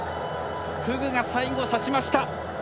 フグが最後、さしました。